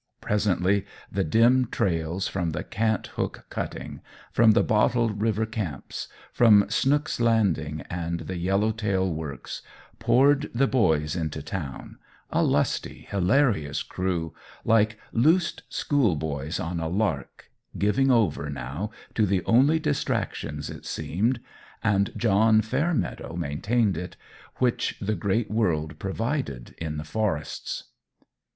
Presently the dim trails from the Cant hook cutting, from the Bottle River camps, from Snook's landing and the Yellow Tail works, poured the boys into town a lusty, hilarious crew, like loosed school boys on a lark, giving over, now, to the only distractions, it seemed and John Fairmeadow maintained it which the great world provided in the forests.